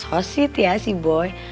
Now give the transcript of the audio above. sosit ya si boy